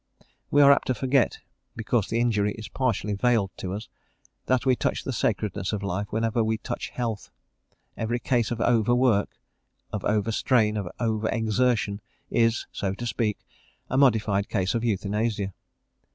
We are apt to forget, because the injury is partially veiled to us, that we touch the sacredness of life whenever we touch health: every case of over work, of over strain, of over exertion, is, so to speak, a modified case of euthanasia.